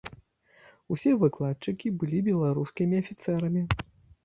Усе выкладчыкі былі беларускімі афіцэрамі.